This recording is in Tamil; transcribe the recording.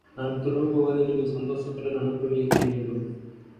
நான் துறவு போவதை நீங்கள் சந்தோஷத்துடன் அனுப்பி வைக்க வேண்டும்.